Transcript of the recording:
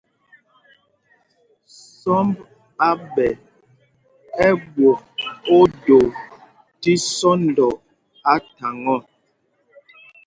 Sɔmb a ɓɛ ɛ̂ ɓwok ódō tí sɔ́ndɔ á thaŋ ɔ.